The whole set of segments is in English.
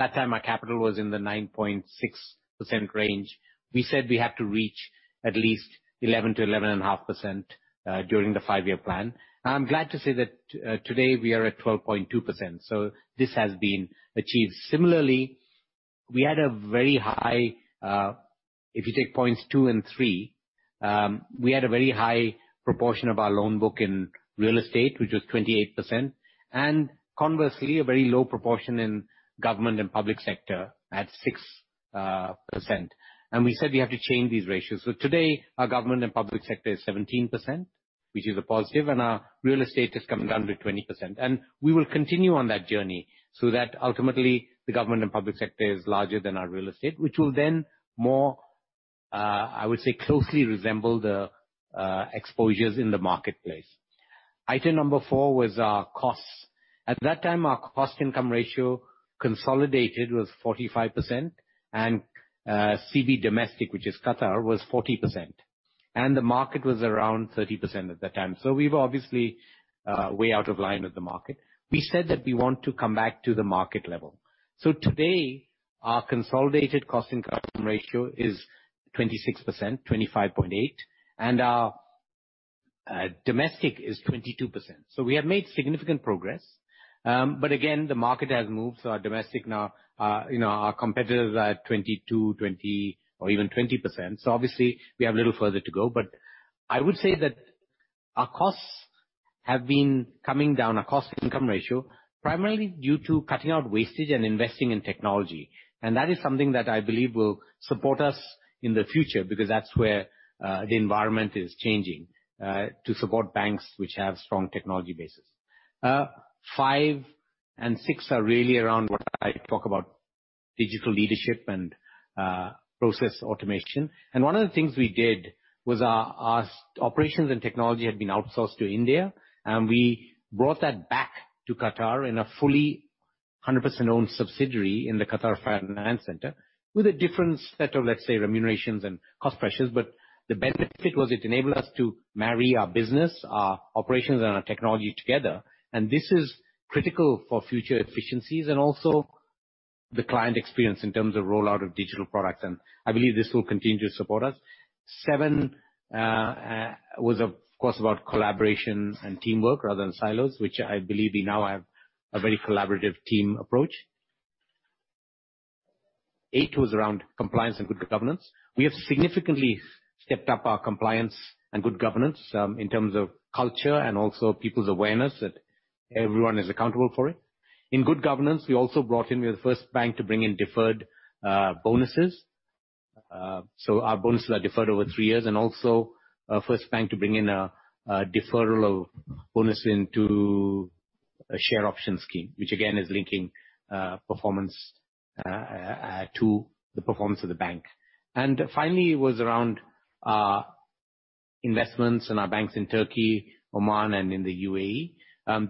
At that time, our capital was in the 9.6% range. We said we have to reach at least 11-11.5% during the five-year plan. I'm glad to say that today we are at 12.2%, so this has been achieved. Similarly, we had a very high, if you take points two and three, we had a very high proportion of our loan book in real estate, which was 28%. Conversely, a very low proportion in government and public sector at 6%. We said we have to change these ratios. Today, our government and public sector is 17%, which is a positive, and our real estate has come down to 20%. We will continue on that journey so that ultimately the government and public sector is larger than our real estate, which will then more, I would say, closely resemble the exposures in the marketplace. Item number 4 was our costs. At that time, our Cost-to-Income Ratio consolidated was 45%, and CB Domestic, which is Qatar, was 40%. The market was around 30% at that time. We were obviously way out of line with the market. We said that we want to come back to the market level. Today, our consolidated Cost-to-Income Ratio is 26%, 25.8%, and our domestic is 22%. We have made significant progress. Again, the market has moved, so our domestic now, our competitors are at 22%, 20%, or even 20%. Obviously we have a little further to go, but I would say that our costs have been coming down, our Cost-to-Income Ratio, primarily due to cutting out wastage and investing in technology. That is something that I believe will support us in the future because that's where the environment is changing, to support banks which have strong technology bases. Five and six are really around what I talk about digital leadership and process automation. One of the things we did was our operations and technology had been outsourced to India, and we brought that back to Qatar in a fully 100% owned subsidiary in the Qatar Financial Centre with a different set of, let's say, remunerations and cost pressures. The benefit was it enabled us to marry our business, our operations, and our technology together. This is critical for future efficiencies and also the client experience in terms of rollout of digital products, and I believe this will continue to support us. Seven was, of course, about collaboration and teamwork rather than silos, which I believe we now have a very collaborative team approach. Eight was around compliance and good governance. We have significantly stepped up our compliance and good governance, in terms of culture and also people's awareness that everyone is accountable for it. In good governance, we also brought in, we are the first bank to bring in deferred bonuses. Our bonuses are deferred over three years, and also first bank to bring in a deferral of bonus into a share option scheme, which again is linking performance to the performance of the bank. Finally was around investments in our banks in Turkey, Oman, and in the U.A.E.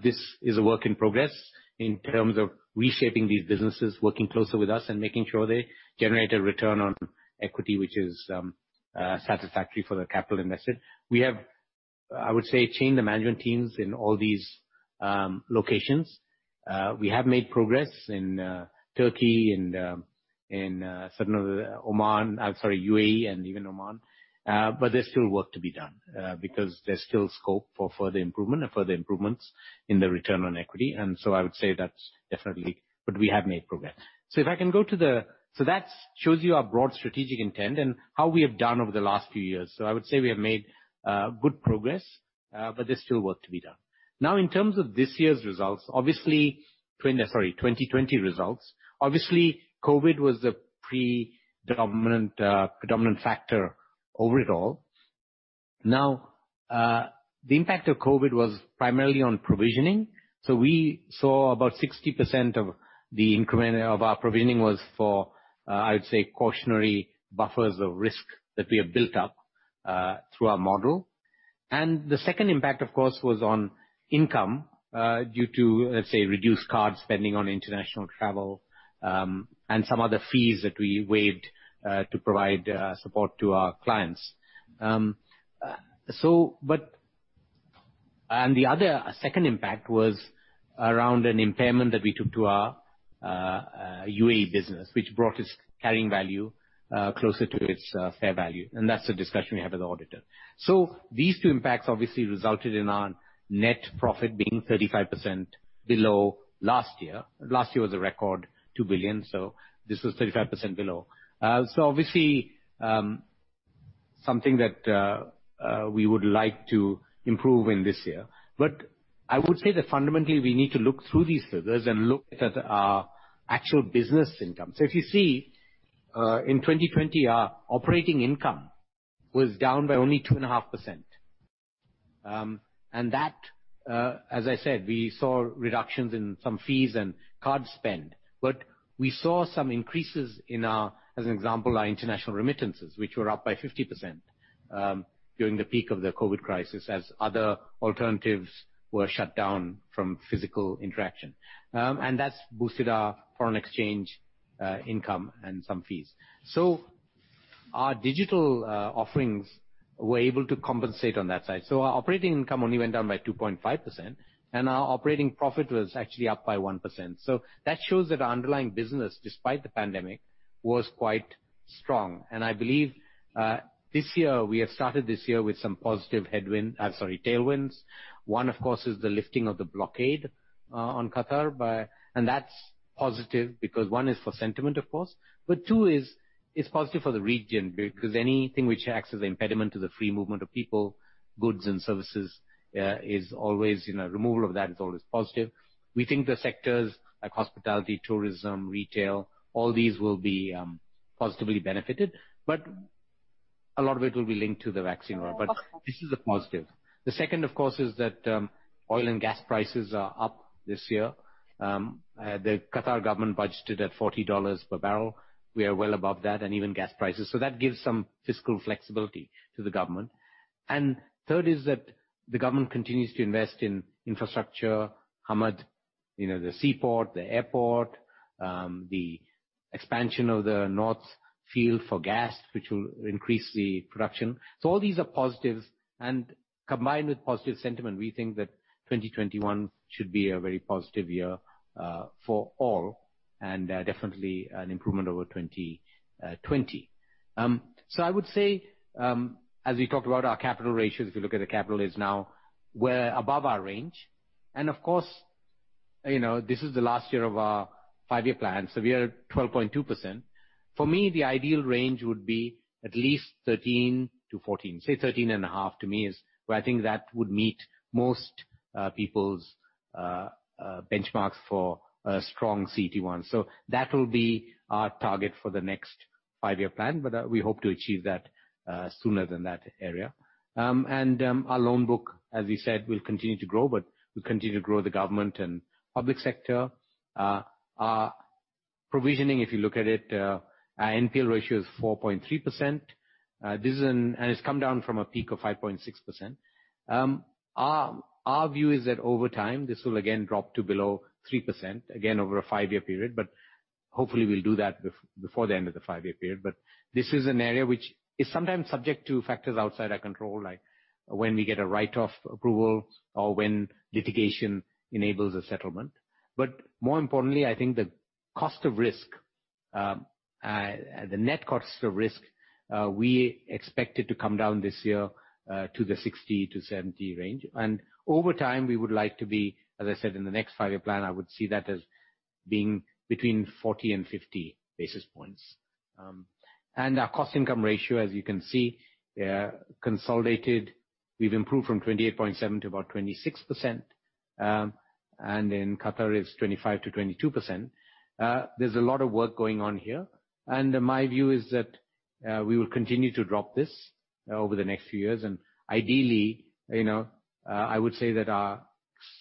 This is a work in progress in terms of reshaping these businesses, working closer with us and making sure they generate a return on equity which is satisfactory for the capital invested. We have, I would say, changed the management teams in all these locations. We have made progress in Turkey and certain Oman, I'm sorry, UAE and even Oman. There's still work to be done, because there's still scope for further improvement and further improvements in the return on equity. We have made progress. That shows you our broad strategic intent and how we have done over the last few years. I would say we have made good progress, but there's still work to be done. In terms of this year's results, obviously, sorry, 2020 results. COVID was the predominant factor over it all. The impact of COVID was primarily on provisioning. We saw about 60% of the increment of our provisioning was for, I would say, cautionary buffers of risk that we have built up through our model. The second impact, of course, was on income, due to, let's say, reduced card spending on international travel, and some other fees that we waived to provide support to our clients. The other second impact was around an impairment that we took to our UAE business, which brought its carrying value closer to its fair value. That's the discussion we have with the auditor. These two impacts obviously resulted in our net profit being 35% below last year. Last year was a record 2 billion, this was 35% below. Obviously, something that we would like to improve in this year. I would say that fundamentally, we need to look through these figures and look at our actual business income. If you see, in 2020, our operating income was down by only 2.5%. That, as I said, we saw reductions in some fees and card spend, but we saw some increases in our, as an example, our international remittances, which were up by 50% during the peak of the COVID crisis as other alternatives were shut down from physical interaction. That's boosted our foreign exchange income and some fees. Our digital offerings were able to compensate on that side. Our operating income only went down by 2.5%, and our operating profit was actually up by 1%. That shows that our underlying business, despite the pandemic, was quite strong. I believe, we have started this year with some positive headwind, sorry, tailwinds. One, of course, is the lifting of the blockade on Qatar. That's positive because one is for sentiment, of course. Two is, it's positive for the region because anything which acts as an impediment to the free movement of people, goods and services, removal of that is always positive. We think the sectors like hospitality, tourism, retail, all these will be positively benefited, but a lot of it will be linked to the vaccine rollout. This is a positive. The second, of course, is that oil and gas prices are up this year. The Qatar government budgeted at $40 per barrel. We are well above that and even gas prices. That gives some fiscal flexibility to the government. Third is that the government continues to invest in infrastructure, Hamad, the seaport, the airport, the expansion of the North Field for gas, which will increase the production. All these are positives, and combined with positive sentiment, we think that 2021 should be a very positive year, for all, and definitely an improvement over 2020. I would say, as we talked about our capital ratios, if you look at the capital is now we are above our range. Of course, this is the last year of our five-year plan. We are at 12.2%. For me, the ideal range would be at least 13 to 14, say 13.5 to me is where I think that would meet most people's benchmarks for a strong CET1. That will be our target for the next five-year plan, but we hope to achieve that sooner than that area. Our loan book, as we said, will continue to grow, but we will continue to grow the government and public sector. Our provisioning, if you look at it, our NPL ratio is 4.3%. It's come down from a peak of 5.6%. Our view is that over time, this will again drop to below 3%, again over a five-year period. Hopefully we will do that before the end of the five-year period. This is an area which is sometimes subject to factors outside our control, like when we get a write-off approval or when litigation enables a settlement. More importantly, I think the cost of risk, the net cost of risk, we expect it to come down this year, to the 60 to 70 range. Over time, we would like to be, as I said, in the next five-year plan, I would see that as being between 40 and 50 basis points. Our cost income ratio, as you can see, consolidated, we have improved from 28.7% to about 26%, and in Qatar is 25% to 22%. There's a lot of work going on here, and my view is that we will continue to drop this over the next few years. Ideally, I would say that our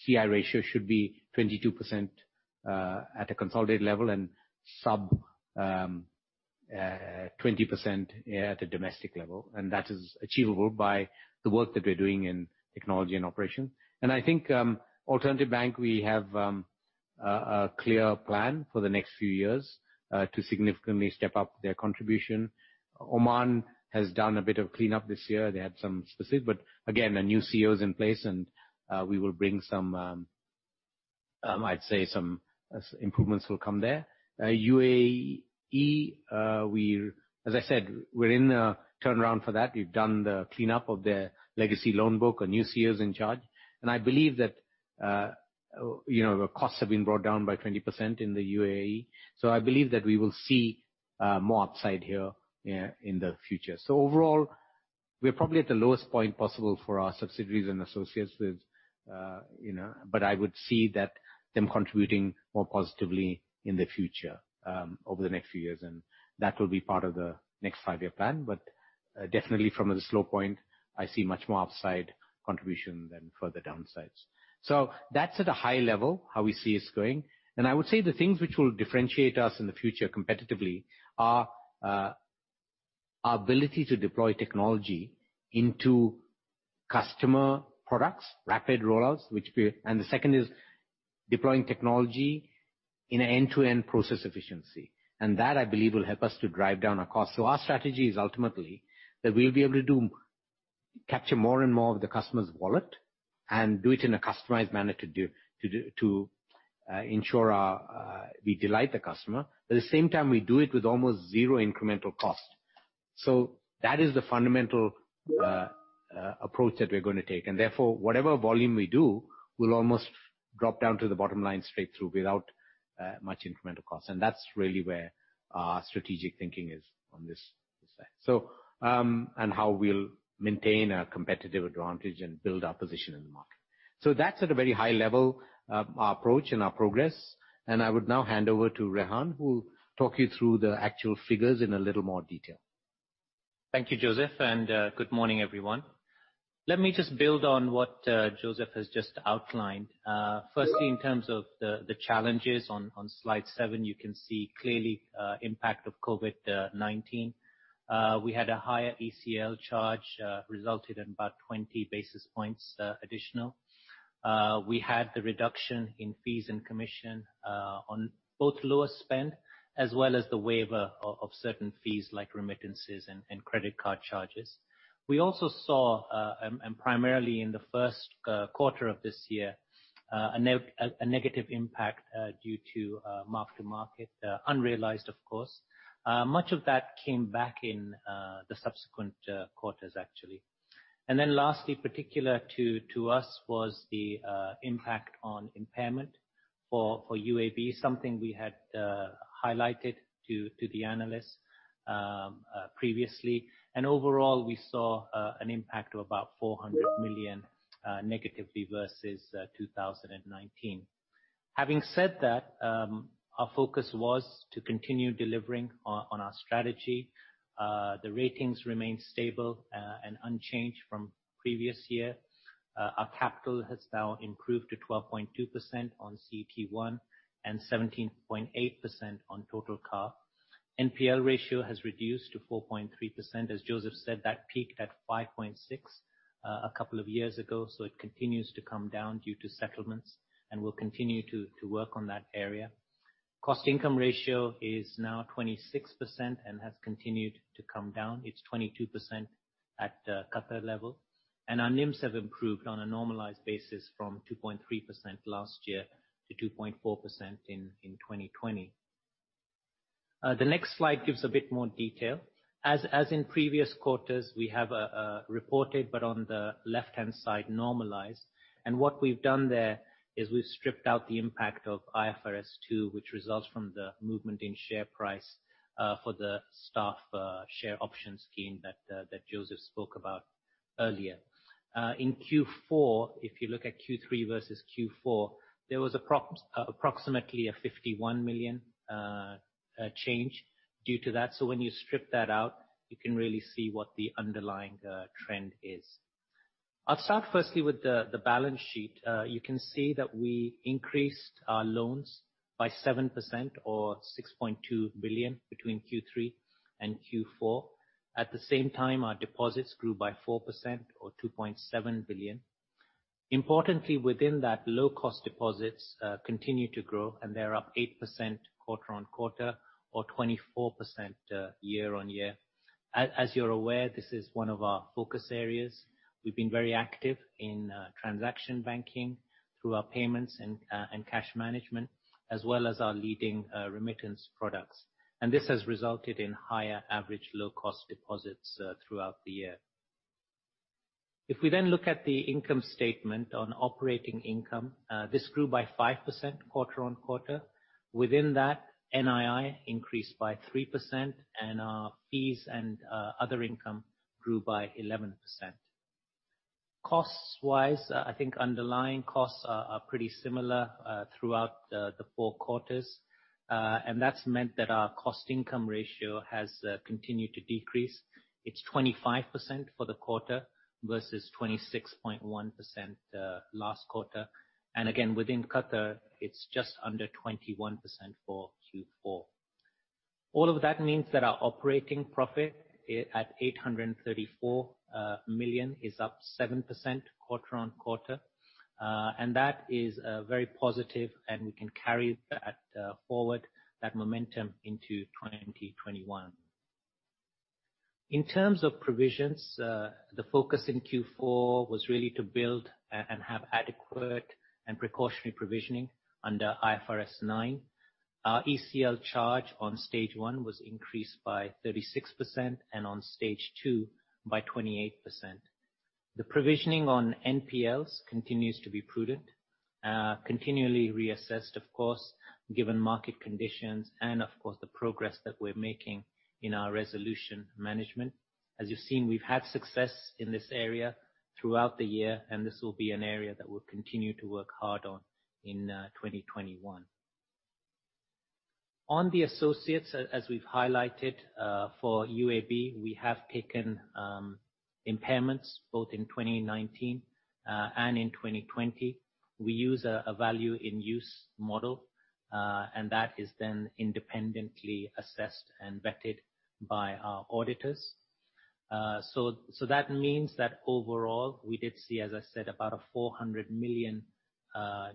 CI ratio should be 22% at a consolidated level and sub 20% at a domestic level. That is achievable by the work that we are doing in technology and operation. I think Alternatif Bank, we have a clear plan for the next few years, to significantly step up their contribution. Oman has done a bit of cleanup this year. They had some specific, again, a new CEO is in place and we will bring some, I would say some improvements will come there. UAE, as I said, we are in the turnaround for that. We have done the cleanup of their legacy loan book. A new CEO is in charge. I believe that, the costs have been brought down by 20% in the UAE. I believe that we will see more upside here in the future. Overall, we are probably at the lowest point possible for our subsidiaries and associates with, but I would see that them contributing more positively in the future, over the next few years, and that will be part of the next five-year plan. Definitely from a slow point, I see much more upside contribution than further downsides. That is at a high level, how we see it's going. I would say the things which will differentiate us in the future competitively are, our ability to deploy technology into customer products, rapid rollouts. The second is deploying technology in an end-to-end process efficiency. That, I believe, will help us to drive down our cost. Our strategy is ultimately that we'll be able to do, capture more and more of the customer's wallet and do it in a customized manner to ensure we delight the customer. At the same time, we do it with almost zero incremental cost. That is the fundamental approach that we're going to take. Therefore, whatever volume we do will almost drop down to the bottom line straight through without much incremental cost. That's really where our strategic thinking is on this side. How we'll maintain a competitive advantage and build our position in the market. That's at a very high level, our approach and our progress. I would now hand over to Rehan, who'll talk you through the actual figures in a little more detail. Thank you, Joseph, and good morning, everyone. Let me just build on what Joseph has just outlined. Firstly, in terms of the challenges on slide seven, you can see clearly impact of COVID-19. We had a higher ECL charge, resulted in about 20 basis points additional. We had the reduction in fees and commission on both lower spend as well as the waiver of certain fees like remittances and credit card charges. We also saw, primarily in the first quarter of this year, a negative impact due to mark-to-market. Unrealized, of course. Much of that came back in the subsequent quarters, actually. Then lastly, particular to us, was the impact on impairment for UAB. Something we had highlighted to the analysts previously. Overall, we saw an impact of about 400 million negatively versus 2019. Having said that, our focus was to continue delivering on our strategy. The ratings remain stable and unchanged from previous year. Our capital has now improved to 12.2% on CET1, and 17.8% on total CAR. NPL ratio has reduced to 4.3%. As Joseph said, that peaked at 5.6% a couple of years ago, so it continues to come down due to settlements and will continue to work on that area. Cost-to-Income Ratio is now 26% and has continued to come down. It's 22% at Qatar level. Our NIMs have improved on a normalized basis from 2.3% last year to 2.4% in 2020. The next slide gives a bit more detail. As in previous quarters, we have reported, but on the left-hand side, normalized. What we've done there is we've stripped out the impact of IFRS 2, which results from the movement in share price for the staff share option scheme that Joseph spoke about earlier. In Q4, if you look at Q3 versus Q4, there was approximately a 51 million change due to that. When you strip that out, you can really see what the underlying trend is. I will start firstly with the balance sheet. You can see that we increased our loans by 7% or 6.2 billion between Q3 and Q4. At the same time, our deposits grew by 4% or 2.7 billion. Importantly, within that, low-cost deposits continue to grow, and they are up 8% quarter-on-quarter or 24% year-on-year. As you are aware, this is one of our focus areas. We have been very active in transaction banking through our payments and cash management, as well as our leading remittance products. This has resulted in higher average low-cost deposits throughout the year. If we then look at the income statement on operating income, this grew by 5% quarter-on-quarter. Within that, NII increased by 3%, and our fees and other income grew by 11%. Costs-wise, I think underlying costs are pretty similar throughout the four quarters. That has meant that our Cost-to-Income Ratio has continued to decrease. It is 25% for the quarter versus 26.1% last quarter. Again, within Qatar, it is just under 21% for Q4. All of that means that our operating profit at 834 million is up 7% quarter-on-quarter. That is very positive, and we can carry that forward, that momentum, into 2021. In terms of provisions, the focus in Q4 was really to build and have adequate and precautionary provisioning under IFRS 9. Our ECL charge on stage 1 was increased by 36%, and on stage 2, by 28%. The provisioning on NPLs continues to be prudent. Continually reassessed, of course, given market conditions and, of course, the progress that we are making in our resolution management. As you have seen, we have had success in this area throughout the year, and this will be an area that we will continue to work hard on in 2021. On the associates, as we have highlighted, for UAB, we have taken impairments both in 2019 and in 2020. We use a Value in Use model, and that is then independently assessed and vetted by our auditors. That means that overall, we did see, as I said, about a 400 million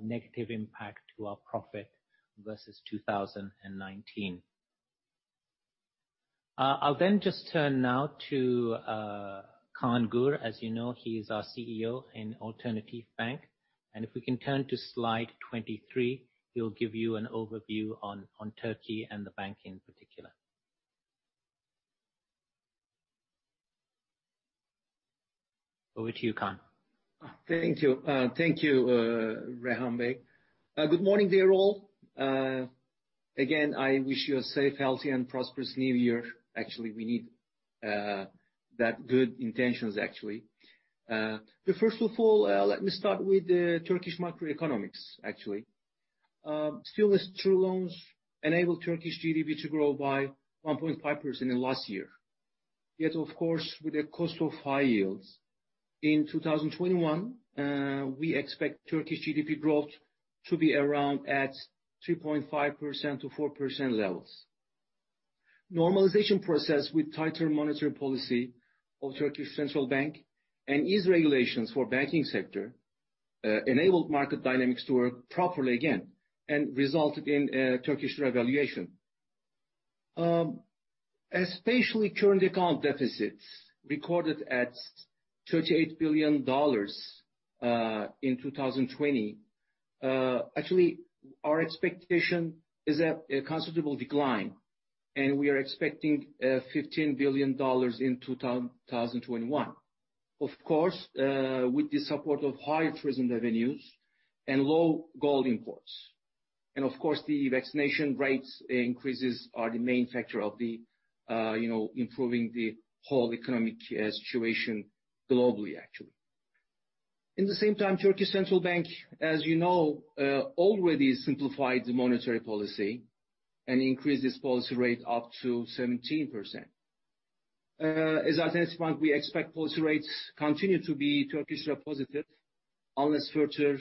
negative impact to our profit versus 2019. I will then just turn now to Kaan Gür. As you know, he is our CEO in Alternatif Bank. If we can turn to slide 23, he will give you an overview on Turkey and the bank in particular. Over to you, Kaan. Thank you. Thank you, Rehan Bey. Good morning, dear all. Again, I wish you a safe, healthy, and prosperous new year. Actually, we need that good intentions, actually. First of all, let me start with the Turkish macroeconomics, actually. Still, these two loans enabled Turkish GDP to grow by 1.5% last year. Yet, of course, with a cost of high yields. In 2021, we expect Turkish GDP growth to be around at 3.5%-4% levels. Normalization process with tighter monetary policy of Turkish Central Bank and ease regulations for banking sector enabled market dynamics to work properly again and resulted in a Turkish revaluation. Especially current account deficits recorded at $38 billion in 2020. Actually, our expectation is a considerable decline, and we are expecting $15 billion in 2021. Of course, with the support of high tourism revenues and low gold imports. Of course, the vaccination rates increases are the main factor of improving the whole economic situation globally, actually. At the same time, Turkish Central Bank, as you know, already simplified the monetary policy and increased its policy rate up to 17%. As Alternatif Bank, we expect policy rates continue to be Turkish lira positive unless further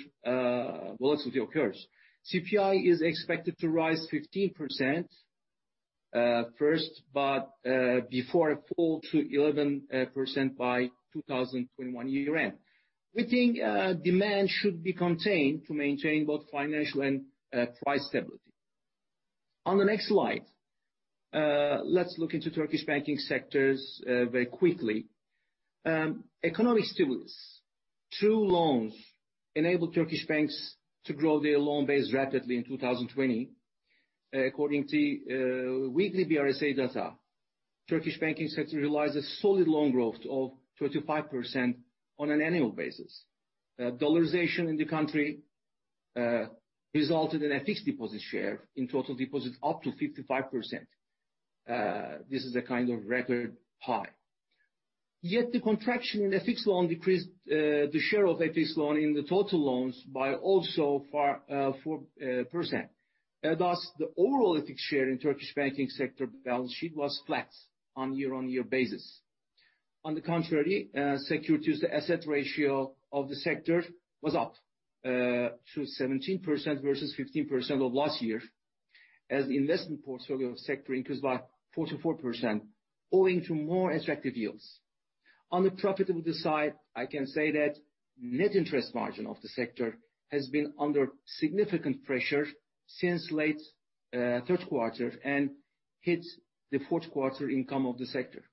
volatility occurs. CPI is expected to rise 15% first, but before a fall to 11% by 2021 year end. We think demand should be contained to maintain both financial and price stability. On the next slide, let's look into Turkish banking sectors very quickly. Economic stimulus through loans enabled Turkish banks to grow their loan base rapidly in 2020. According to weekly BRSA data, Turkish banking sector realized a solid loan growth of 35% on an annual basis. Dollarization in the country resulted in a fixed deposit share in total deposits up to 55%. This is a kind of record high. Yet the contraction in the fixed loan decreased the share of fixed loan in the total loans by also 4%. Thus, the overall fixed share in Turkish banking sector balance sheet was flat on a year-on-year basis. On the contrary, securities-to-asset ratio of the sector was up to 17% versus 15% of last year as investment portfolio sector increased by 44% owing to more attractive yields. On the profitability side, I can say that Net Interest Margin of the sector has been under significant pressure since late third quarter and hit the fourth quarter income of the sector.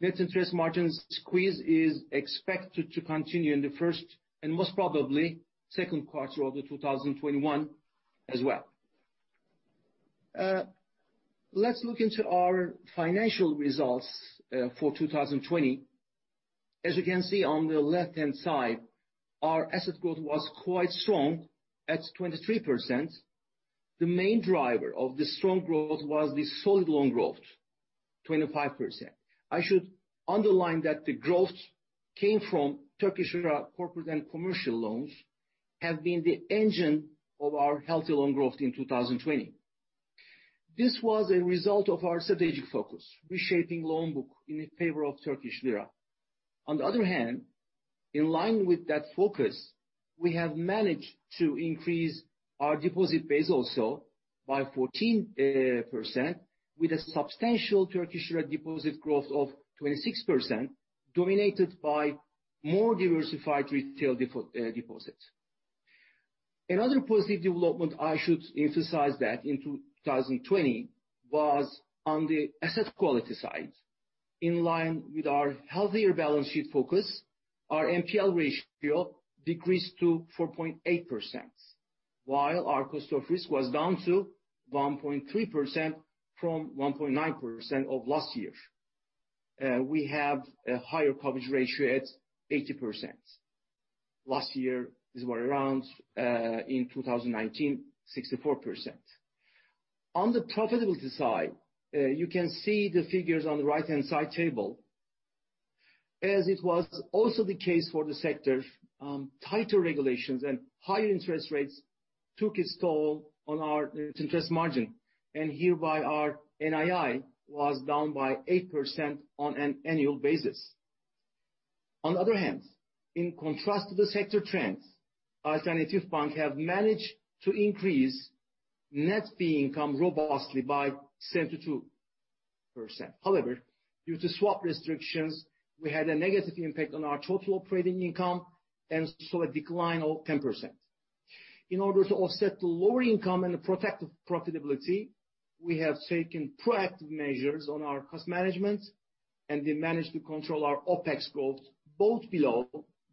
Net Interest Margin squeeze is expected to continue in the first and most probably second quarter of 2021 as well. Let's look into our financial results for 2020. As you can see on the left-hand side, our asset growth was quite strong at 23%. The main driver of this strong growth was the solid loan growth, 25%. I should underline that the growth came from Turkish lira corporate and commercial loans have been the engine of our healthy loan growth in 2020. This was a result of our strategic focus, reshaping loan book in favor of Turkish lira. On the other hand, in line with that focus, we have managed to increase our deposit base also by 14% with a substantial Turkish lira deposit growth of 26%, dominated by more diversified retail deposits. Another positive development I should emphasize that in 2020 was on the asset quality side. In line with our healthier balance sheet focus, our NPL ratio decreased to 4.8%, while our cost of risk was down to 1.3% from 1.9% of last year. We have a higher coverage ratio at 80%. Last year, this were around, in 2019, 64%. On the profitability side, you can see the figures on the right-hand side table. As it was also the case for the sector, tighter regulations and higher interest rates took its toll on our Net Interest Margin, and hereby our NII was down by 8% on an annual basis. On the other hand, in contrast to the sector trends, Alternatif Bank have managed to increase net fee income robustly by 72%. However, due to swap restrictions, we had a negative impact on our total operating income and saw a decline of 10%. In order to offset the lower income and protect the profitability, we have taken proactive measures on our cost management, and we managed to control our OPEX growth both below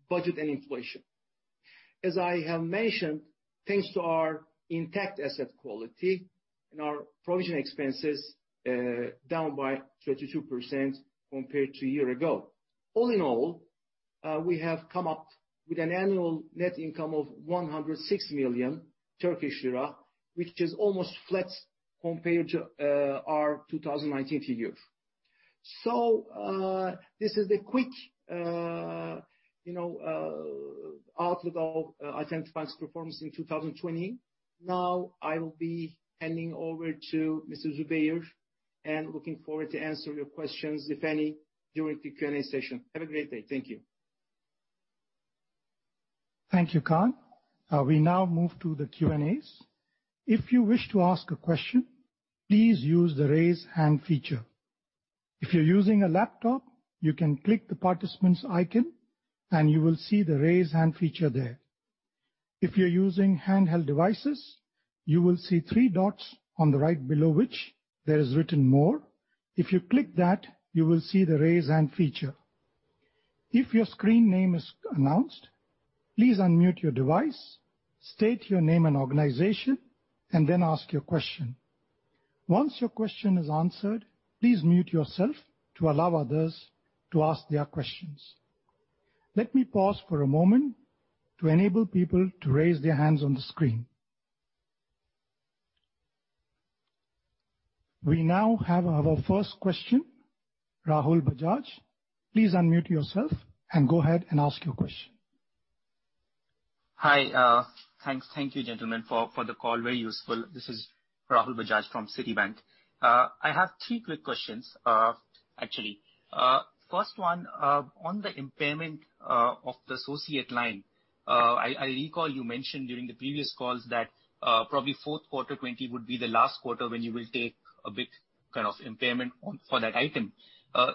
budget and inflation. As I have mentioned, thanks to our intact asset quality and our provision expenses, down by 32% compared to a year ago. All in all, we have come up with an annual net income of 106 million Turkish lira, which is almost flat compared to our 2019 year. This is a quick outlook of Alternatif Bank performance in 2020. Now, I will be handing over to Mr. Zubair, and looking forward to answer your questions, if any, during the Q&A session. Have a great day. Thank you. Thank you, Kaan. We now move to the Q&As. If you wish to ask a question, please use the Raise Hand feature. If you're using a laptop, you can click the participants icon, and you will see the Raise Hand feature there. If you're using handheld devices, you will see three dots on the right below which there is written More. If you click that, you will see the Raise Hand feature. If your screen name is announced, please unmute your device, state your name and organization, and then ask your question. Once your question is answered, please mute yourself to allow others to ask their questions. Let me pause for a moment to enable people to raise their hands on the screen. We now have our first question. Rahul Bajaj, please unmute yourself and go ahead and ask your question. Hi. Thank you, gentlemen, for the call. Very useful. This is Rahul Bajaj from Citibank. I have three quick questions, actually. First one, on the impairment of the associate line, I recall you mentioned during the previous calls that probably fourth quarter 2020 would be the last quarter when you will take a big kind of impairment for that item.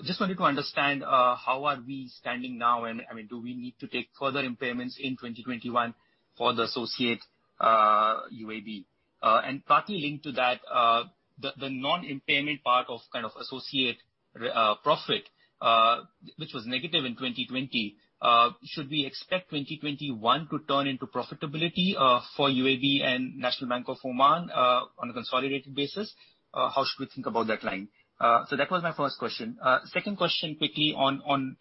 Just wanted to understand, how are we standing now? Do we need to take further impairments in 2021 for the associate UAB? Partly linked to that, the non-impairment part of associate profit, which was negative in 2020, should we expect 2021 to turn into profitability for UAB and National Bank of Oman on a consolidated basis? How should we think about that line? That was my first question. Second question, quickly on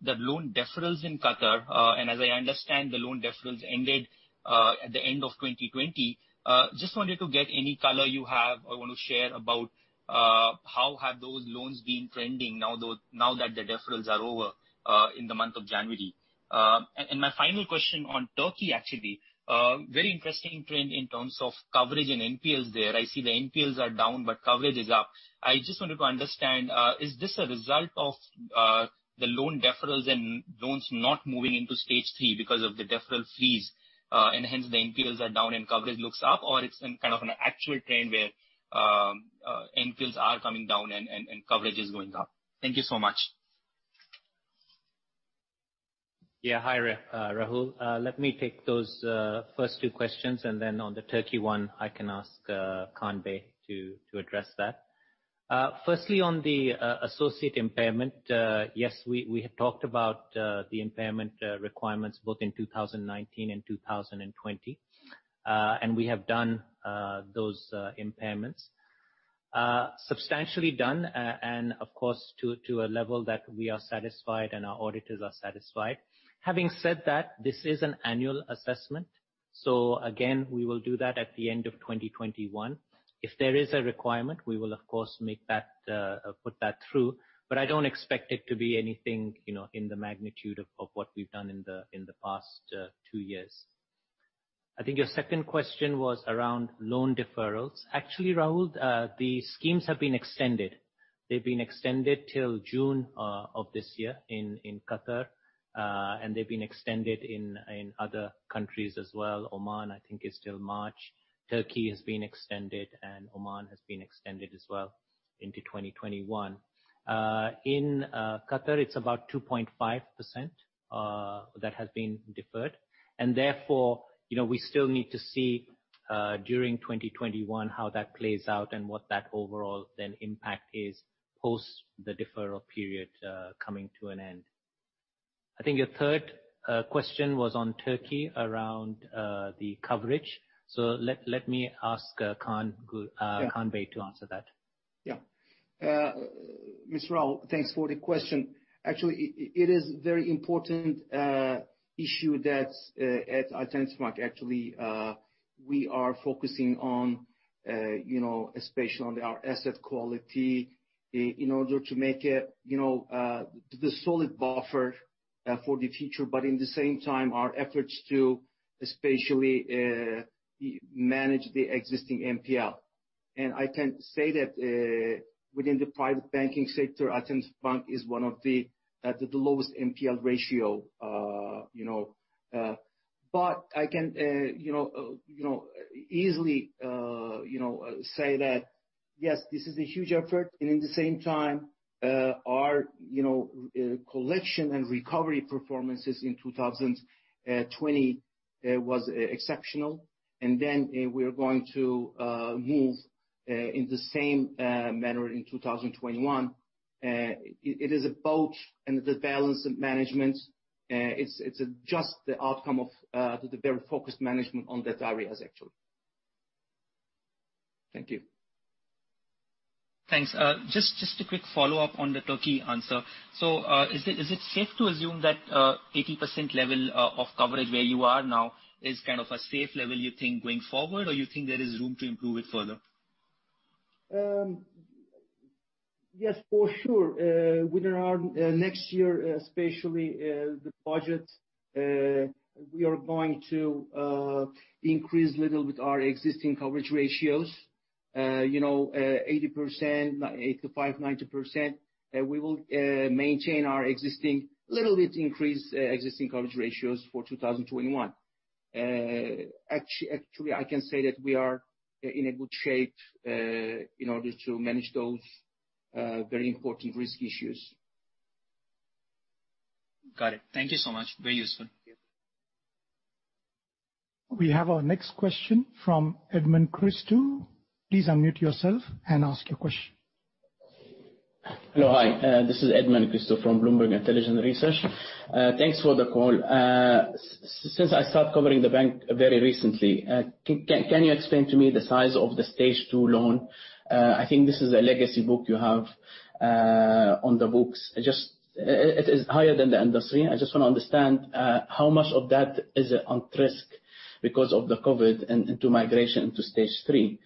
the loan deferrals in Qatar. As I understand, the loan deferrals ended at the end of 2020. Just wanted to get any color you have or want to share about how have those loans been trending now that the deferrals are over in the month of January. My final question on Turkey, actually. Very interesting trend in terms of coverage and NPLs there. I see the NPLs are down, coverage is up. I just wanted to understand, is this a result of the loan deferrals and loans not moving into stage 3 because of the deferral freeze, hence the NPLs are down and coverage looks up? Is it kind of an actual trend where NPLs are coming down and coverage is going up? Thank you so much. Hi, Rahul. Let me take those first two questions, on the Turkey one, I can ask Kaan Bey to address that. Firstly, on the associate impairment, yes, we have talked about the impairment requirements both in 2019 and 2020. We have done those impairments. Substantially done, of course, to a level that we are satisfied and our auditors are satisfied. Having said that, this is an annual assessment, again, we will do that at the end of 2021. If there is a requirement, we will, of course, put that through. I don't expect it to be anything in the magnitude of what we've done in the past two years. I think your second question was around loan deferrals. Actually, Rahul, the schemes have been extended. They've been extended till June of this year in Qatar, they've been extended in other countries as well. Oman, I think, is still March. Turkey has been extended, Oman has been extended as well into 2021. In Qatar, it's about 2.5% that has been deferred. Therefore, we still need to see, during 2021, how that plays out what that overall then impact is post the deferral period coming to an end. I think your third question was on Turkey around the coverage. Let me ask Kaan Bey to answer that. Mr. Rahul, thanks for the question. Actually, it is very important issue that at Alternatif Bank, actually, we are focusing on, especially on our asset quality, in order to make the solid buffer for the future, in the same time, our efforts to especially manage the existing NPL. I can say that within the private banking sector, Alternatif Bank has the lowest NPL ratio. I can easily say that, yes, this is a huge effort, in the same time, our collection and recovery performances in 2020 was exceptional. We're going to move in the same manner in 2021. It is about the balance of management. It's just the outcome of the very focused management on that area, actually. Thank you. Thanks. Just a quick follow-up on the Turkey answer. Is it safe to assume that 80% level of coverage where you are now is kind of a safe level, you think, going forward? You think there is room to improve it further? Yes, for sure. Within our next year, especially the budget, we are going to increase a little bit our existing coverage ratios. 80%, 85%, 90%, we will maintain our existing, little bit increase existing coverage ratios for 2021. Actually, I can say that we are in a good shape in order to manage those very important risk issues. Got it. Thank you so much. Very useful. We have our next question from Edmund Kristo. Please unmute yourself and ask your question. Hello. Hi. This is Edmund Kristo from Bloomberg Intelligence. Thanks for the call. Since I start covering the bank very recently, can you explain to me the size of the stage 2 loan? I think this is a legacy book you have on the books. It is higher than the industry, and I just want to understand how much of that is on risk because of the COVID into migration to stage 3.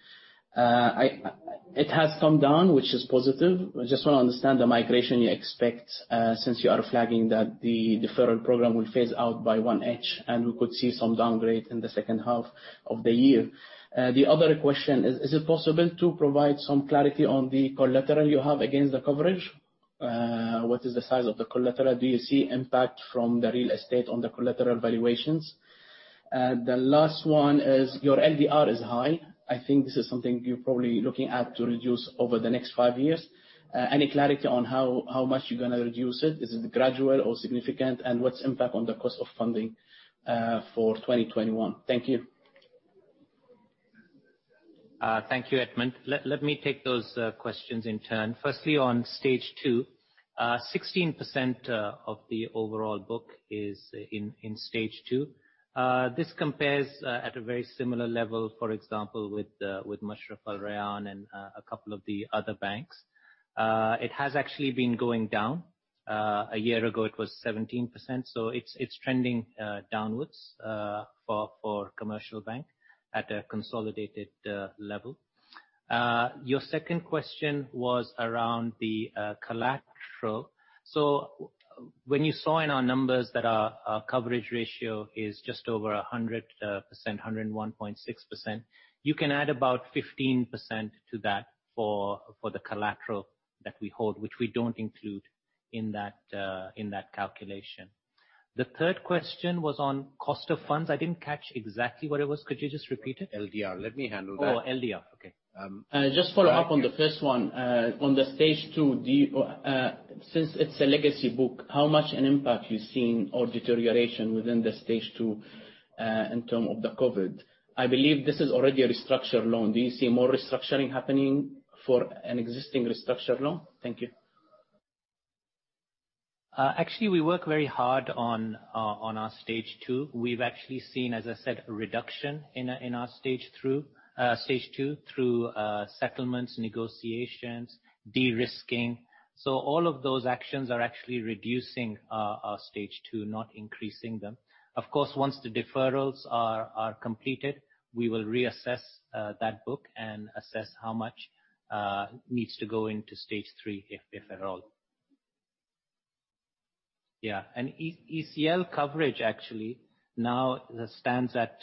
It has come down, which is positive. I just want to understand the migration you expect, since you are flagging that the deferral program will phase out by 1H, and we could see some downgrade in the second half of the year. The other question is it possible to provide some clarity on the collateral you have against the coverage? What is the size of the collateral? Do you see impact from the real estate on the collateral valuations? The last one is, your LDR is high. I think this is something you're probably looking at to reduce over the next five years. Any clarity on how much you're going to reduce it? Is it gradual or significant, and what's impact on the cost of funding for 2021? Thank you. Thank you, Edmund. Let me take those questions in turn. Firstly, on stage 2, 16% of the overall book is in stage 2. This compares at a very similar level, for example, with Masraf Al Rayan and a couple of the other banks. It has actually been going down. A year ago, it was 17%, so it's trending downwards for Commercial Bank at a consolidated level. Your second question was around the collateral. When you saw in our numbers that our coverage ratio is just over 100%, 101.6%, you can add about 15% to that for the collateral that we hold, which we don't include in that calculation. The third question was on cost of funds. I didn't catch exactly what it was. Could you just repeat it? LDR. Let me handle that. LDR. Okay. Follow up on the first one. On the stage 2, since it's a legacy book, how much an impact you've seen or deterioration within the stage 2, in terms of the COVID? I believe this is already a restructured loan. Do you see more restructuring happening for an existing restructured loan? Thank you. We work very hard on our stage 2. We've actually seen, as I said, a reduction in our stage 2 through settlements, negotiations, de-risking. All of those actions are actually reducing our stage 2, not increasing them. Of course, once the deferrals are completed, we will reassess that book and assess how much needs to go into stage 3, if at all. Yeah. ECL coverage actually now stands at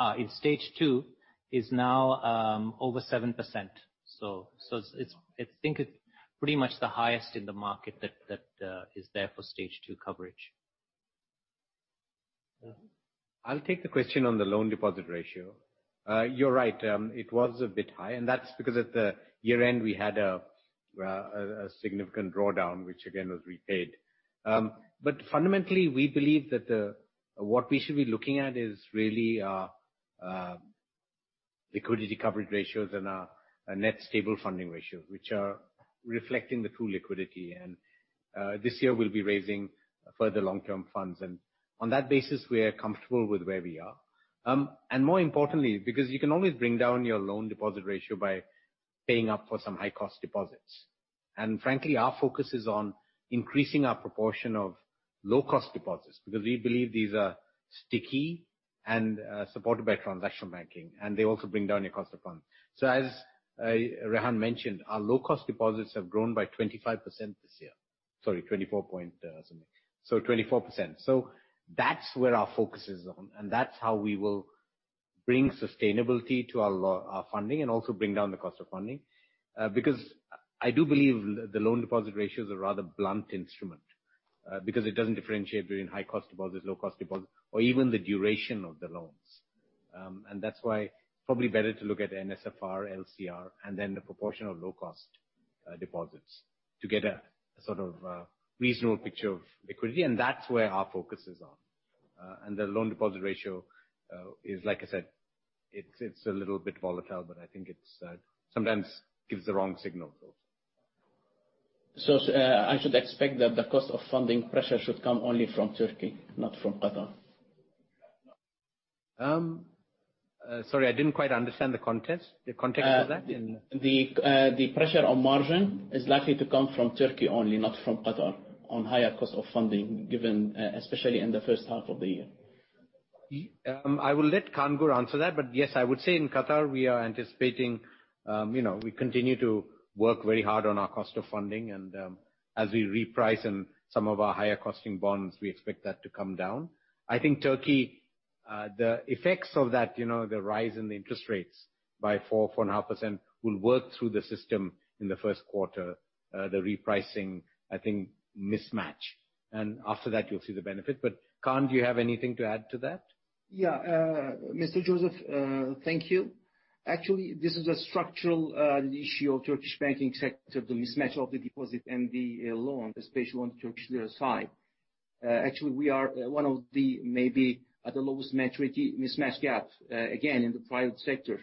28% in stage 2 is now over 7%. I think it's pretty much the highest in the market that is there for stage 2 coverage. I'll take the question on the loan deposit ratio. You're right, it was a bit high, and that's because at the year-end we had a significant drawdown, which again, was repaid. Fundamentally, we believe that what we should be looking at is really our liquidity coverage ratios and our Net Stable Funding Ratio, which are reflecting the true liquidity. This year we'll be raising further long-term funds. On that basis, we are comfortable with where we are. More importantly, because you can always bring down your loan deposit ratio by paying up for some high cost deposits. Frankly, our focus is on increasing our proportion of low cost deposits because we believe these are sticky and supported by transactional banking, and they also bring down your cost of funds. As Rehan mentioned, our low cost deposits have grown by 25% this year. Sorry, 24 point something. 24%. That's where our focus is on, and that's how we will bring sustainability to our funding and also bring down the cost of funding. Because I do believe the loan deposit ratio is a rather blunt instrument because it doesn't differentiate between high cost deposits, low cost deposits, or even the duration of the loans. That's why probably better to look at NSFR, LCR, and then the proportion of low cost deposits to get a sort of reasonable picture of liquidity, and that's where our focus is on. The loan deposit ratio is, like I said, it's a little bit volatile, but I think it sometimes gives the wrong signal though. I should expect that the cost of funding pressure should come only from Turkey, not from Qatar? Sorry, I didn't quite understand the context of that. The pressure on margin is likely to come from Turkey only, not from Qatar, on higher cost of funding, especially in the first half of the year. I will let Kaan answer that. Yes, I would say in Qatar we are anticipating, we continue to work very hard on our cost of funding and as we reprice some of our higher costing bonds, we expect that to come down. I think Turkey, the effects of that, the rise in the interest rates by 4%, 4.5% will work through the system in the first quarter, the repricing, I think, mismatch. After that you'll see the benefit. Kaan, do you have anything to add to that? Mr. Joseph, thank you. Actually, this is a structural issue of Turkish banking sector, the mismatch of the deposit and the loan, especially on Turkish lira side. Actually, we are one of the, maybe at the lowest maturity mismatch gap, again, in the private sector,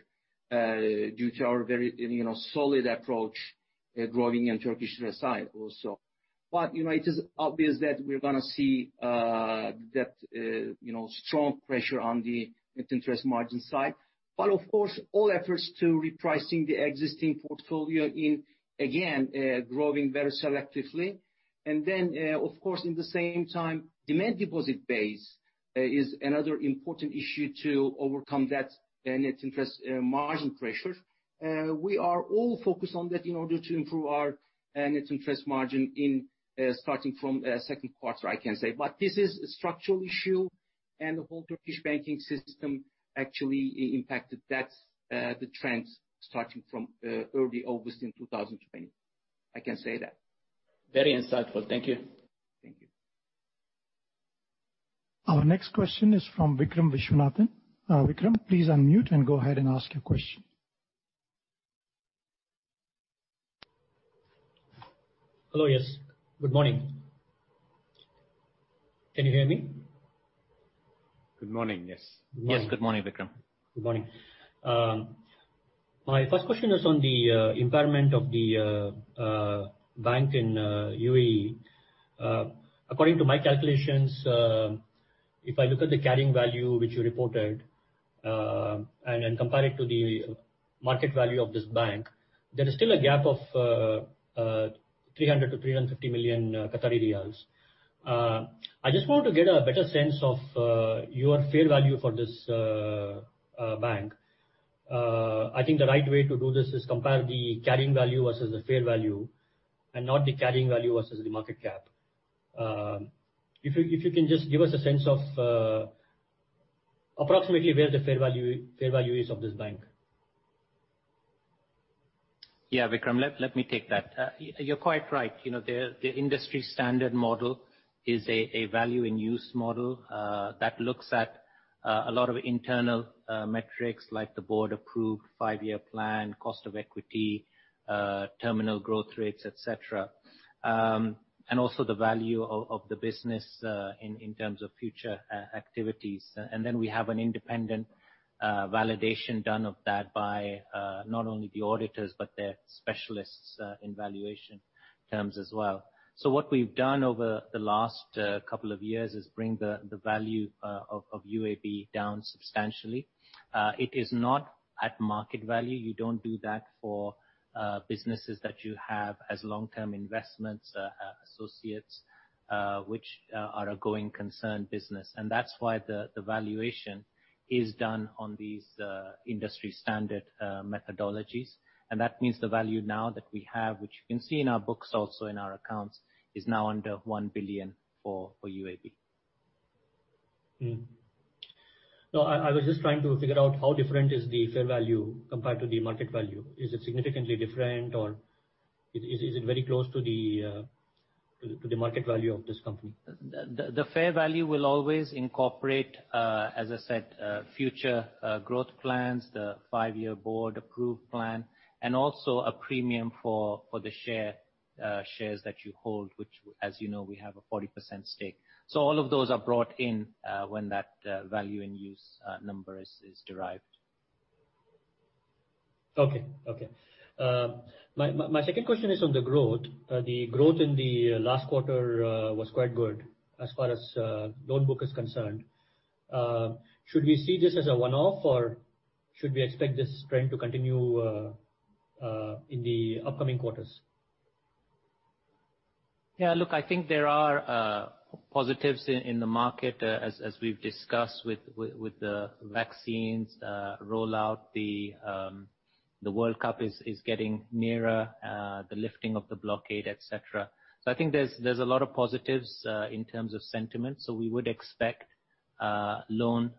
due to our very solid approach growing in Turkish lira side also. It is obvious that we're going to see that strong pressure on the Net Interest Margin side. Of course, all efforts to repricing the existing portfolio in, again, growing very selectively. Then, of course, in the same time, demand deposit base is another important issue to overcome that Net Interest Margin pressure. We are all focused on that in order to improve our Net Interest Margin in, starting from second quarter, I can say. This is a structural issue, the whole Turkish banking system actually impacted that, the trends starting from early August in 2020. I can say that. Very insightful. Thank you. Thank you. Our next question is from Vikram Viswanathan. Vikram, please unmute and go ahead and ask your question. Hello. Yes, good morning. Can you hear me? Good morning. Yes. Yes. Good morning, Vikram. Good morning. My first question is on the environment of the bank in U.A.E. According to my calculations, if I look at the carrying value which you reported, and compare it to the market value of this bank, there is still a gap of 300 million-350 million Qatari riyals. I just want to get a better sense of your fair value for this bank. I think the right way to do this is compare the carrying value versus the fair value and not the carrying value versus the market cap. If you can just give us a sense of approximately where the fair value is of this bank. Yeah, Vikram. Let me take that. You're quite right. The industry standard model is a Value in Use model, that looks at a lot of internal metrics like the board approved five-year plan, cost of equity, terminal growth rates, et cetera. Also the value of the business in terms of future activities. Then we have an independent validation done of that by, not only the auditors, but their specialists in valuation terms as well. What we've done over the last couple of years is bring the value of UAB down substantially. It is not at market value. You don't do that for businesses that you have as long-term investments, associates, which are a going concern business. That's why the valuation is done on these industry standard methodologies. That means the value now that we have, which you can see in our books also in our accounts, is now under 1 billion for UAB. I was just trying to figure out how different is the fair value compared to the market value. Is it significantly different, or is it very close to the market value of this company? The fair value will always incorporate, as I said, future growth plans, the five-year board approved plan, and also a premium for the shares that you hold, which as you know, we have a 40% stake. All of those are brought in when that Value in Use number is derived. My second question is on the growth. The growth in the last quarter was quite good as far as loan book is concerned. Should we see this as a one-off, or should we expect this trend to continue in the upcoming quarters? I think there are positives in the market as we've discussed, with the vaccines rollout. The World Cup is getting nearer, the lifting of the blockade, et cetera. I think there's a lot of positives in terms of sentiment. We would expect loans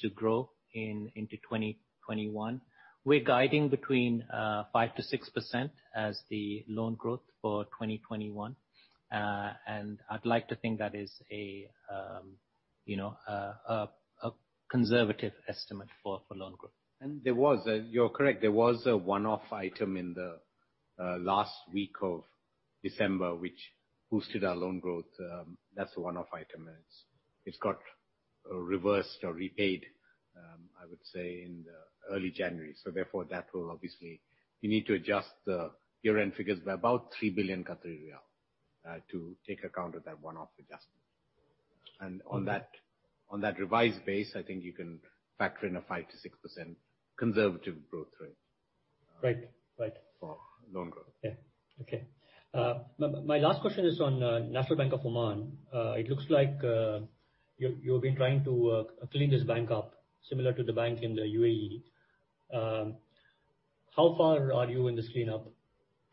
to grow into 2021. We're guiding between 5%-6% as the loan growth for 2021. I'd like to think that is a conservative estimate for loan growth. You're correct, there was a one-off item in the last week of December which boosted our loan growth. That's a one-off item and it's got reversed or repaid, I would say, in the early January. Therefore that will obviously, you need to adjust the year-end figures by about 3 billion Qatari riyal to take account of that one-off adjustment. On that revised base, I think you can factor in a 5%-6% conservative growth rate. Right. For loan growth. Yeah. Okay. My last question is on National Bank of Oman. It looks like you've been trying to clean this bank up, similar to the bank in the U.A.E. How far are you in this cleanup?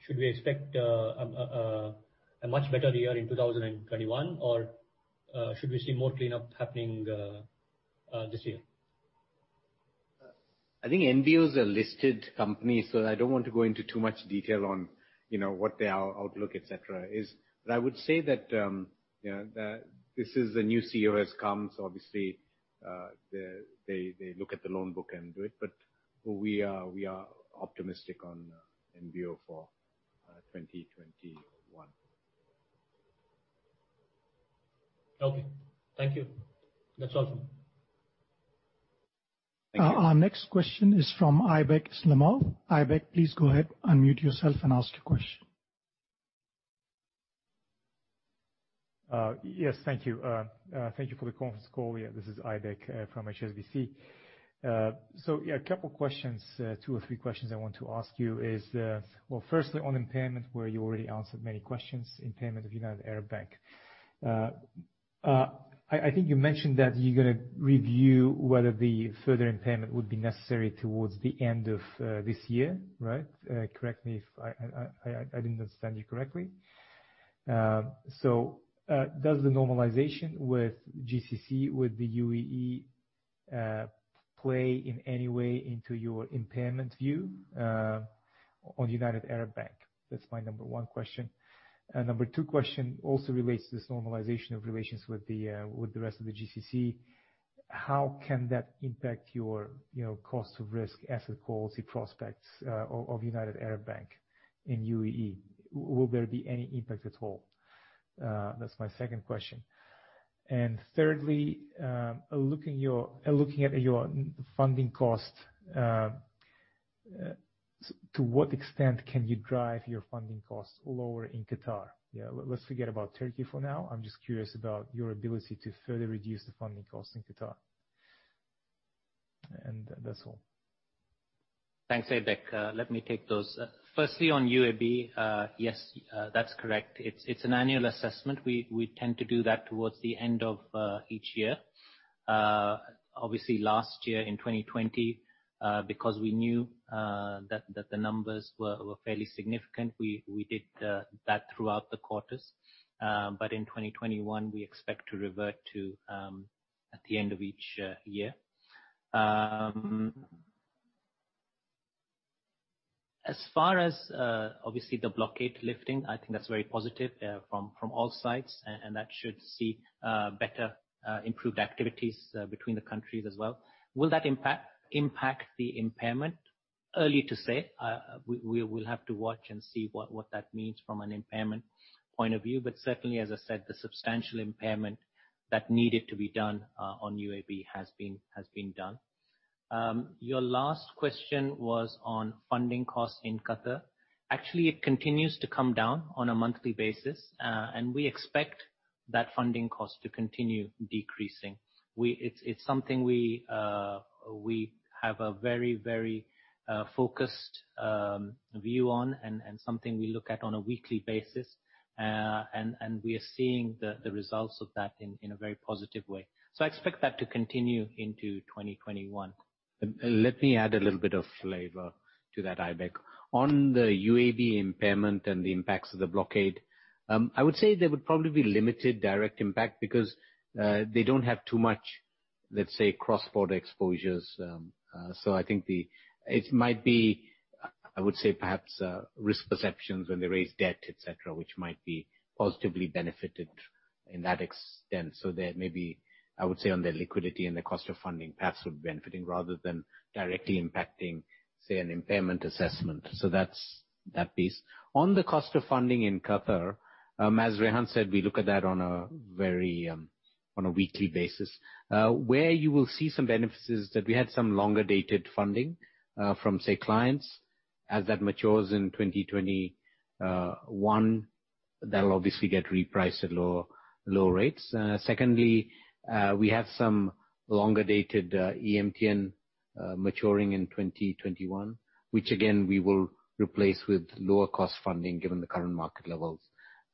Should we expect a much better year in 2021, or should we see more cleanup happening this year? I think NBO's a listed company, I don't want to go into too much detail on what their outlook, et cetera, is. I would say that this is a new CEO that's come, obviously, they look at the loan book and do it. We are optimistic on NBO for 2021. Okay. Thank you. That's all from me. Thank you. Our next question is from Aybek Islamov. Aybek, please go ahead, unmute yourself and ask your question. Yes, thank you. Thank you for the conference call. This is Aybek from HSBC. A couple questions, two or three questions I want to ask you. Firstly, on impairment, where you already answered many questions, impairment of United Arab Bank. I think you mentioned that you're going to review whether the further impairment would be necessary towards the end of this year, right? Correct me if I didn't understand you correctly. Does the normalization with GCC, with the UAE, play in any way into your impairment view on United Arab Bank? That's my number one question. Number two question also relates to this normalization of relations with the rest of the GCC. How can that impact your cost of risk, asset quality prospects of United Arab Bank in UAE? Will there be any impact at all? That's my second question. Thirdly, looking at your funding cost, to what extent can you drive your funding costs lower in Qatar? Let's forget about Turkey for now. I'm just curious about your ability to further reduce the funding cost in Qatar. That's all. Thanks, Aybek. Let me take those. Firstly, on UAB. Yes, that's correct. It's an annual assessment. We tend to do that towards the end of each year. Obviously, last year in 2020, because we knew that the numbers were fairly significant, we did that throughout the quarters. But in 2021, we expect to revert to at the end of each year. As far as, obviously, the blockade lifting, I think that's very positive from all sides, and that should see better improved activities between the countries as well. Will that impact the impairment? Early to say. We will have to watch and see what that means from an impairment point of view. But certainly, as I said, the substantial impairment that needed to be done on UAB has been done. Your last question was on funding costs in Qatar. Actually, it continues to come down on a monthly basis. We expect that funding cost to continue decreasing. It's something we have a very focused view on and something we look at on a weekly basis. We are seeing the results of that in a very positive way. I expect that to continue into 2021. Let me add a little bit of flavor to that, Aybek. On the UAB impairment and the impacts of the blockade, I would say there would probably be limited direct impact because they don't have too much, let's say, cross-border exposures. I think it might be, I would say perhaps risk perceptions when they raise debt, et cetera, which might be positively benefited in that extent. There maybe, I would say on their liquidity and their cost of funding, perhaps would be benefiting rather than directly impacting, say, an impairment assessment. That's that piece. On the cost of funding in Qatar, as Rehan said, we look at that on a weekly basis. Where you will see some benefit is that we had some longer-dated funding from, say, clients. As that matures in 2021, that'll obviously get repriced at lower rates. Secondly, we have some longer-dated EMTN maturing in 2021, which again, we will replace with lower cost funding given the current market levels.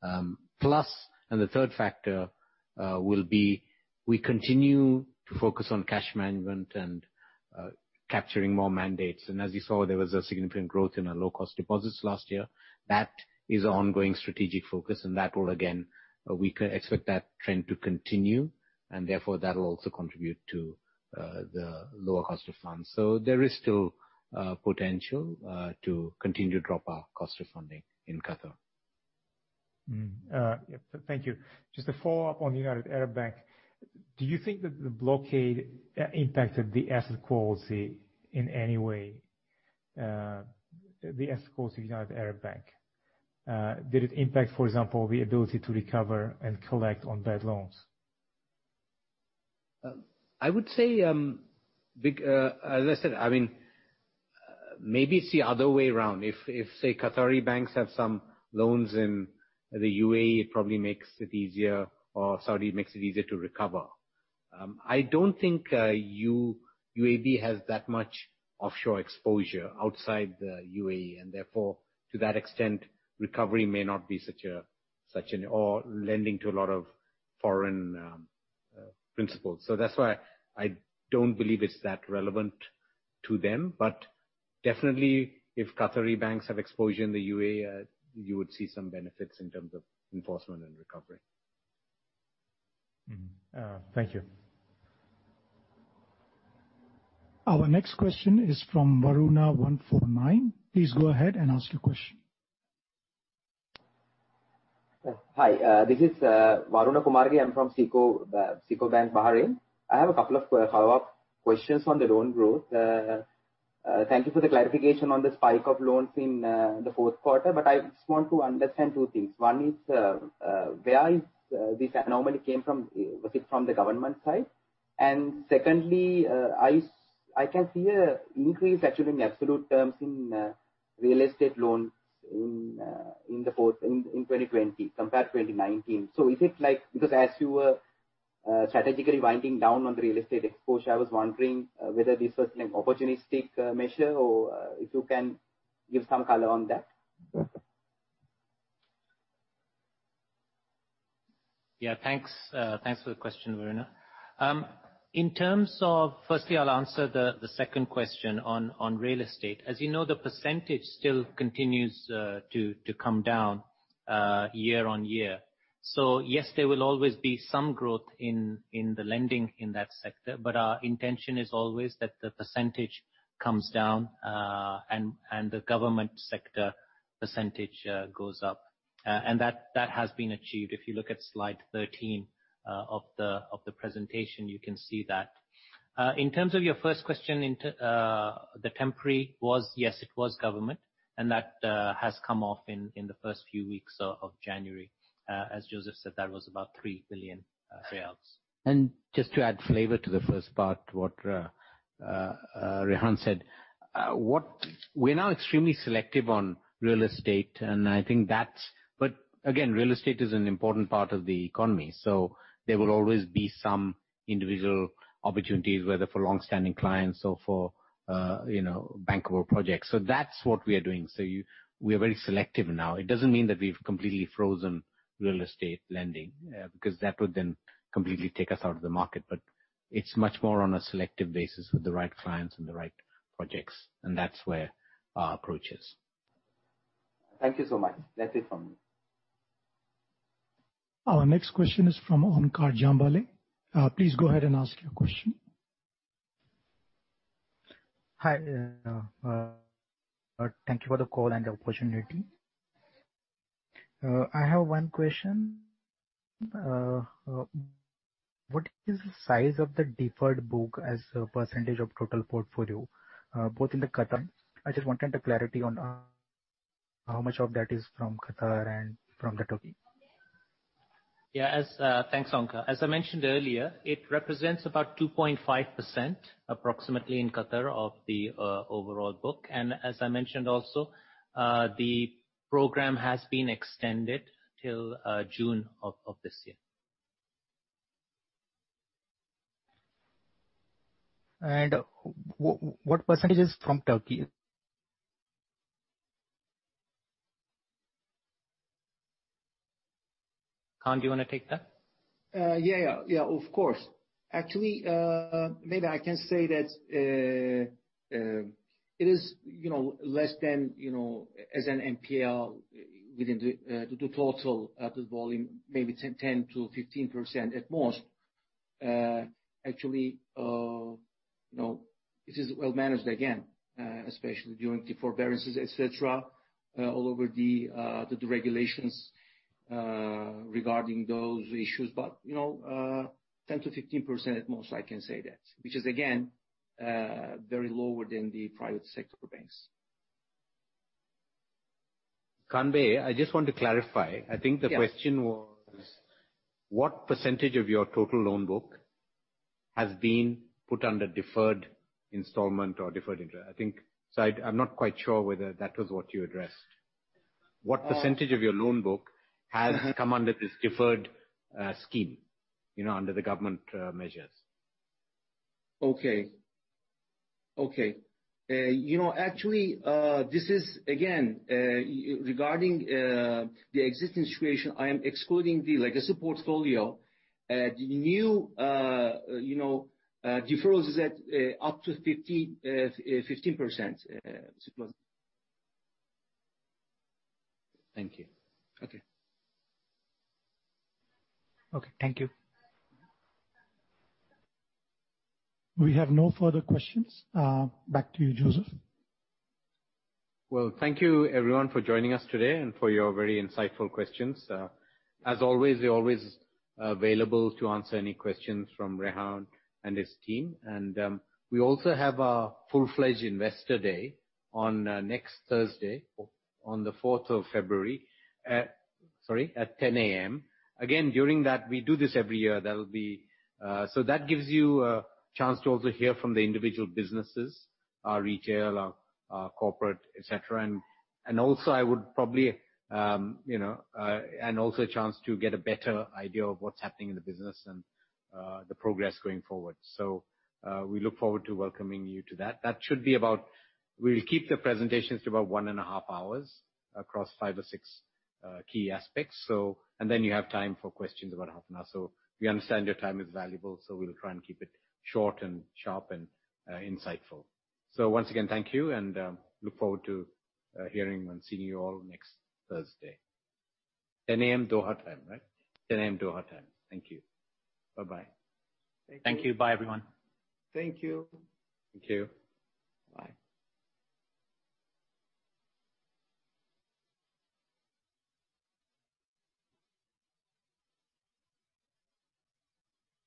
The third factor will be, we continue to focus on cash management and capturing more mandates. As you saw, there was a significant growth in our low-cost deposits last year. That is an ongoing strategic focus and that will again, we can expect that trend to continue, and therefore that will also contribute to the lower cost of funds. There is still potential to continue to drop our cost of funding in Qatar. Thank you. Just a follow-up on United Arab Bank. Do you think that the blockade impacted the asset quality in any way, the asset quality of United Arab Bank? Did it impact, for example, the ability to recover and collect on bad loans? I would say, as I said, maybe it's the other way around. If, say, Qatari banks have some loans in the U.A.E., it probably makes it easier, or Saudi makes it easier to recover. I don't think UAB has that much offshore exposure outside the U.A.E., and therefore, to that extent, recovery may not be or lending to a lot of foreign principles. That's why I don't believe it's that relevant to them. Definitely, if Qatari banks have exposure in the U.A.E., you would see some benefits in terms of enforcement and recovery. Thank you. Our next question is from Waruna Kumarage. Please go ahead and ask your question. Hi, this is Waruna Kumarage. I'm from SICO Bank, Bahrain. I have a couple of follow-up questions on the loan growth. Thank you for the clarification on the spike of loans in the fourth quarter. I just want to understand two things. One is, where this anomaly came from. Was it from the government side? Secondly, I can see an increase actually in absolute terms in real estate loans in 2020 compared to 2019. As you were strategically winding down on the real estate exposure, I was wondering whether this was an opportunistic measure or if you can give some color on that. Thanks for the question, Waruna. Firstly, I'll answer the second question on real estate. As you know, the percentage still continues to come down year-on-year. Yes, there will always be some growth in the lending in that sector, our intention is always that the percentage comes down, and the government sector percentage goes up. That has been achieved. If you look at slide 13 of the presentation, you can see that. In terms of your first question, the temporary was, yes, it was government, and that has come off in the first few weeks of January. As Joseph said, that was about QAR 3 billion. Just to add flavor to the first part, what Rehan said. We're now extremely selective on real estate, and I think that's. Again, real estate is an important part of the economy, there will always be some individual opportunities, whether for longstanding clients or for bankable projects. That's what we are doing. We are very selective now. It doesn't mean that we've completely frozen real estate lending, that would then completely take us out of the market. It's much more on a selective basis with the right clients and the right projects, that's where our approach is. Thank you so much. That's it from me. Our next question is from Omkar Jambal. Please go ahead and ask your question. Hi, thank you for the call and the opportunity. I have one question. What is the size of the deferred book as a percentage of total portfolio, both in Qatar? I just wanted the clarity on how much of that is from Qatar and from Turkey. Yeah. Thanks, Omkar. As I mentioned earlier, it represents about 2.5%, approximately, in Qatar of the overall book. As I mentioned also, the program has been extended till June of this year. What percentage is from Turkey? Kaan, do you want to take that? Yeah. Of course. Actually, maybe I can say that it is less than, as an NPL, within the total at this volume, maybe 10% to 15% at most. Actually, this is well managed again, especially during the forbearances, et cetera, all over the regulations regarding those issues. 10% to 15% at most, I can say that. Which is again, very lower than the private sector banks. Kaan Bey, I just want to clarify. Yes. I think the question was, what % of your total loan book has been put under deferred installment or deferred interest? I think so. I'm not quite sure whether that was what you addressed. Oh. What percentage of your loan book has come under this deferred scheme, under the government measures? Okay. Actually, this is, again, regarding the existing situation, I am excluding this as a portfolio. The new deferrals is at up to 15%. Thank you. Okay. Okay. Thank you. We have no further questions. Back to you, Joseph. Well, thank you, everyone, for joining us today and for your very insightful questions. As always, we're always available to answer any questions from Rehan and his team. We also have our full-fledged investor day on next Thursday, on February 4 at 10:00 A.M. Again, during that, we do this every year. That gives you a chance to also hear from the individual businesses, our retail, our corporate, et cetera. Also a chance to get a better idea of what's happening in the business and the progress going forward. We look forward to welcoming you to that. We'll keep the presentations to about one and a half hours across five or six key aspects. Then you have time for questions, about a half an hour. We understand your time is valuable, so we'll try and keep it short and sharp and insightful. Once again, thank you, and look forward to hearing and seeing you all next Thursday. 10:00 A.M. Doha time, right? 10:00 A.M. Doha time. Thank you. Bye-bye. Thank you. Bye, everyone. Thank you. Thank you. Bye.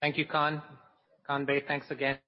Thank you, Kaan. Kaan Bey, thanks again.